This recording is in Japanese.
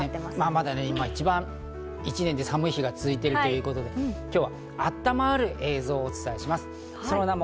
今、一年で一番寒い日が続いているということで、今日はあったまる映像をお伝えしたいと思います。